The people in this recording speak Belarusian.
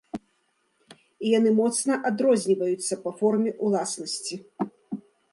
І яны моцна адрозніваюцца па форме ўласнасці.